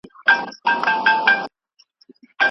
هغه کتاب چې ساده وي ګټور دی.